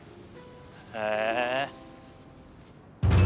へえ。